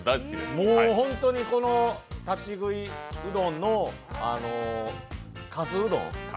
もう本当にこの立ち食いうどんのかすうどん。